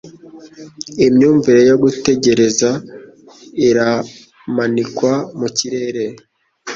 Imyumvire yo gutegereza iramanikwa mu kirere.